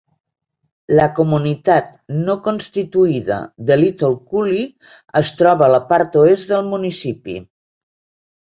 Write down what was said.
La comunitat no constituïda de Liitle Cooley es troba a la part oest del municipi.